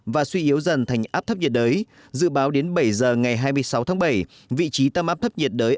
và suy yếu dần thành áp thấp nhiệt đới dự báo đến bảy giờ ngày hai mươi sáu tháng bảy vị trí tâm áp thấp nhiệt đới